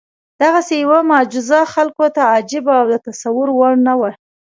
دغسې یوه معجزه خلکو ته عجیبه او د تصور وړ نه وه.